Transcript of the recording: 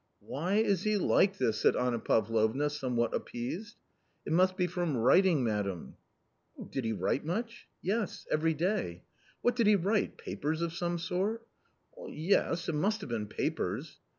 "Why is he like this?" said Anna Pavlovna somewhat appeased. " It must be from writing, madam." u Did he write much ?"" Yes ; every day." " What did he write ? papers of some sort ?"" Yes, it must have been papers."